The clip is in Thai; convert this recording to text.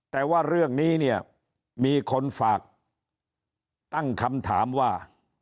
แต่ว่าเรื่องนี้เนี่ยมีคนฝากตั้งคำถามว่า